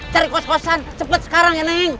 cari kos kosan cepet sekarang ya neng